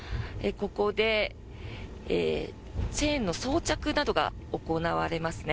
ここでチェーンの装着などが行われますね。